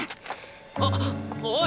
あっおい！